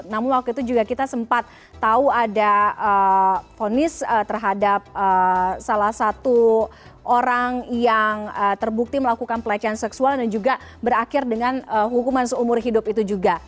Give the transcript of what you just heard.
namun waktu itu juga kita sempat tahu ada ponis terhadap salah satu orang yang terbukti melakukan pelecehan seksual dan juga berakhir dengan hukuman seumur hidup itu juga